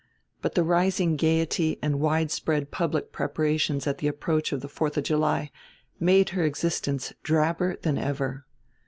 But the rising gayety and widespread public preparations at the approach of the Fourth of July made her existence drabber than ever.